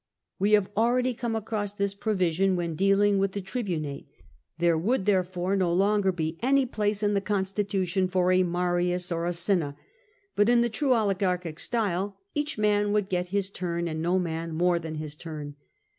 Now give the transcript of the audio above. We have already come across this provision when dealing with the tri bunate. There would, therefore, no longer be any place in the constitution for a Marius or a Cinna : but, in the true oligarchic style, each man would get his turn, and no man more than his turn.